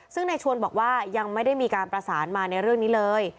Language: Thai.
ซึ่งในชวนบอกว่ายังไม่ได้มีการประสานมาในเรื่องนี้เลย